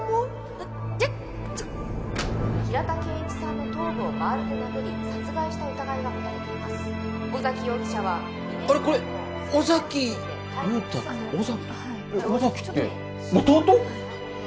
やっちょっ平田賢一さんの頭部をバールで殴り殺害した疑いが持たれています尾崎容疑者は２年前にもあれこれ尾崎雄太尾崎って弟？